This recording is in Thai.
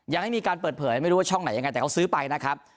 ยังไม่มีการเปิดเผยไม่รู้ว่าช่องไหนยังไงแต่เขาซื้อไปนะครับ